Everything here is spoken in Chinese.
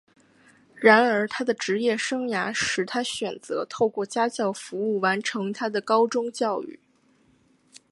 然而他的职业生涯使他选择透过家教服务完成他的高中教育。